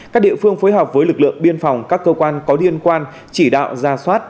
các địa phương phối hợp với lực lượng biên phòng các cơ quan có liên quan chỉ đạo ra soát